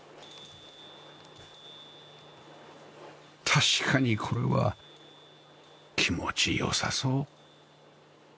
確かにこれは気持ちよさそう